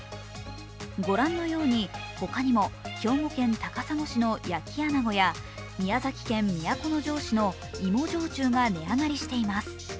ご覧のように他にも兵庫県高砂市の焼きあなごや宮崎県都城市の芋焼酎が値上がりしています。